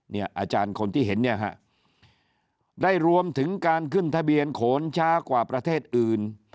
อาจารย์คนที่เห็นเนี่ยฮะได้รวมถึงการขึ้นทะเบียนโขนช้ากว่าประเทศอื่น